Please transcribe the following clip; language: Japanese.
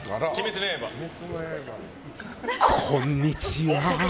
こんにちは。